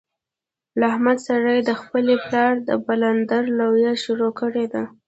له احمد سره یې خپل پلار د پلندر رویه شروع کړې ده.